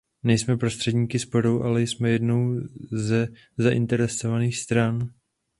Nejsme prostředníky sporu, ale jsme jednou ze zainteresovaných stran.